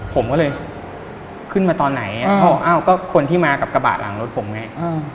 ผมก็เลยขึ้นมาตอนไหนพ่ออ้าวก็คนที่มากับกระบะหลังรถผมไง